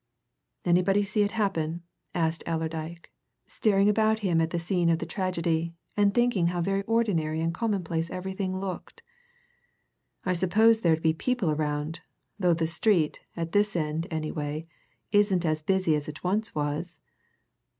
"Anybody see it happen?" asked Allerdyke, staring about him at the scene of the tragedy, and thinking how very ordinary and commonplace everything looked. "I suppose there'd be people about, though the street, at this end, anyway, isn't as busy as it once was?"